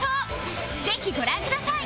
ぜひご覧ください